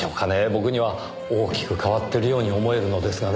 僕には大きく変わってるように思えるのですがねぇ。